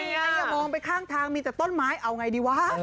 ไงมองไปข้างทางมีแต่ต้นไม้เอาไงดีวะ